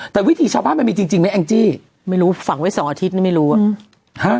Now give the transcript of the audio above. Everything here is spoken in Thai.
แต่วิถีชาวบ้านมันมีจริงไหมแองจี้ไม่รู้ฝังไว้๒อาทิตย์นี่ไม่รู้อ่ะ